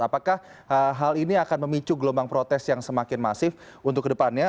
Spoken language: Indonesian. apakah hal ini akan memicu gelombang protes yang semakin masif untuk kedepannya